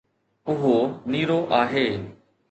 اهو نيرو آهي